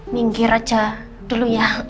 minggir aja dulu ya